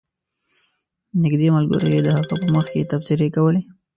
نږدې ملګرو یې د هغه په مخ کې تبصرې کولې.